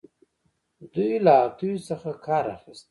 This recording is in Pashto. دوی له هاتیو څخه کار اخیست